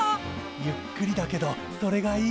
ゆっくりだけどそれがいい。